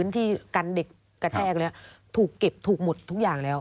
ถูกเก็บถูกหมดทุกอย่างแล้ว